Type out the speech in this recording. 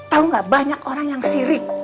tau nggak banyak orang yang sirik